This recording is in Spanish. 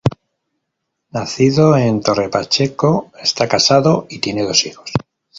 Nacido en Torre Pacheco, está casado y tiene dos hijos.